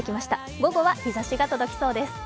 午後は日ざしが届きそうです。